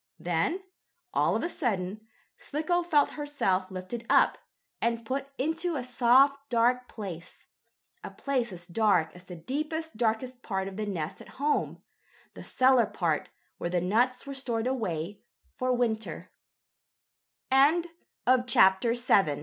Then, all of a sudden, Slicko felt herself lifted up, and put into a soft, dark place a place as dark as the deepest, darkest part of the nest at home the cellar part where the nuts were stored